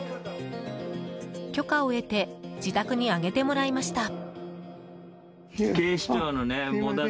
許可を得て自宅に上げてもらいました。